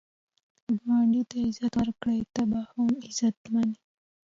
که ګاونډي ته عزت ورکړې، ته هم عزتمن یې